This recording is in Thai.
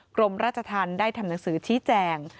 กรมราชธรรมได้ทำหนังสือชี้แจง